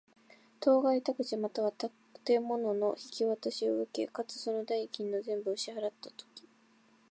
当該宅地又は建物の引渡しを受け、かつ、その代金の全部を支払つたとき。